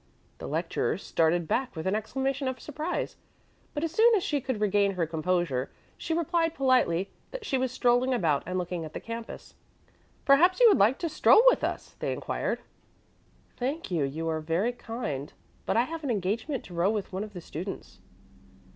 The lecturer started back with an exclamation of surprise; but as soon as she could regain her composure, she replied politely that she was strolling about and looking at the campus. "Perhaps you would like to stroll with us?" they inquired. "Thank you, you are very kind; but I have an engagement to row with one of the students."